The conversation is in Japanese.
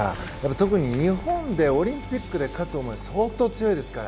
特に日本でオリンピックで勝つのは相当強いですから。